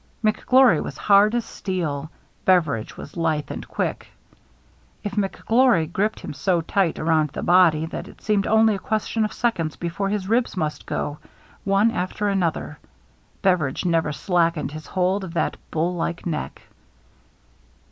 McGlory was hard as steel ; Beveridge was lithe and quick. If McGlory gripped him so tight around the body that it seemed only a question of seconds before his ribs must go, one after another, Beveridge never slackened his hold of that bull like neck.